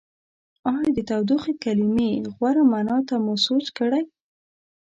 ایا د تودوخې کلمې غوره معنا ته مو سوچ کړی؟